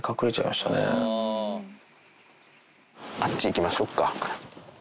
あっち行きましょうか。